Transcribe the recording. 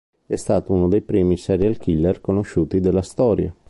È stato uno dei primi serial killer conosciuti della storia.